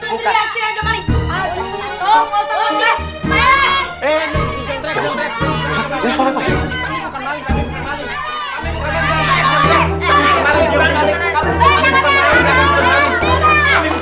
serius dia akhirnya aja balik